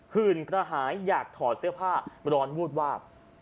หื่นกระหายอยากถอดเสื้อผ้าร้อนวูบวาบ